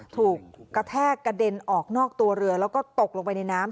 ถูกกระแทกกระเด็นออกนอกตัวเรือแล้วก็ตกลงไปในน้ำ